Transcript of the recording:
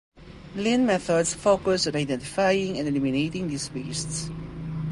Lean methods focus on identifying and eliminating these wastes.